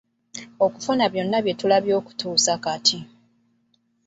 Okufunza byonna bye tulabye okutuusa kati.